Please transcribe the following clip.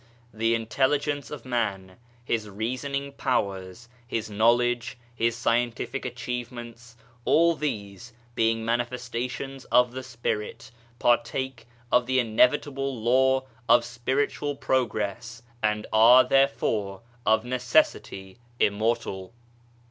The intelligence of Man, his reasoning powers, his knowledge, his scientific achievements, all these, being manifestations of the Spirit, partake of the inevitable law of spiritual progress and are, therefore, of necessity, immortal.